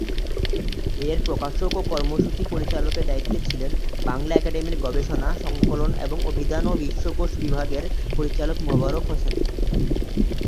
এর প্রকাশক ও কর্মসূচি পরিচালকের দায়িত্বে ছিলেন বাংলা একাডেমির গবেষণা, সংকলন এবং অভিধান ও বিশ্বকোষ বিভাগের পরিচালক মোবারক হোসেন।